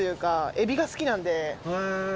エビが好きなんで。